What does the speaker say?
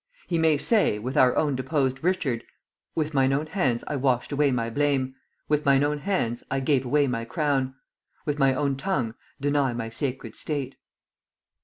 He may say, with our own deposed Richard, 'With mine own hands I washed away my blame; With mine own hands I gave away my crown; With my own tongue deny my sacred state.'